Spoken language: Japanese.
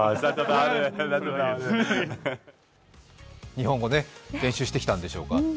日本語、練習してきたんでしょうか。